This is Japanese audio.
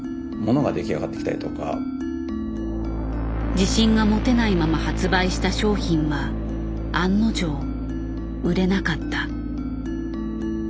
自信が持てないまま発売した商品は案の定売れなかった。